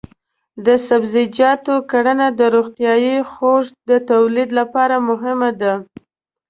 د سبزیجاتو کرنه د روغتیايي خوړو د تولید لپاره مهمه ده.